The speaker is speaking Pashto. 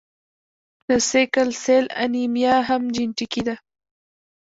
د سیکل سیل انیمیا هم جینیټیکي ده.